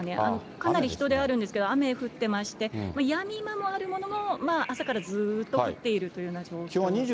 かなり人出、あるんですけど、雨降ってまして、やみ間もあるものの、朝からずっと降っているというような状況なんですね。